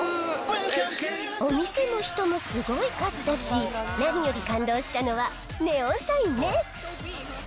お店も人もすごい数だし、何より感動したのは、ネオンサインね。